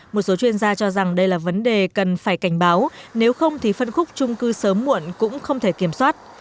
một số chuyên gia cho rằng đây là vấn đề cần phải cảnh báo nếu không thì phân khúc trung cư sớm muộn cũng không thể kiểm soát